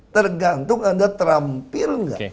tergantung anda terampil nggak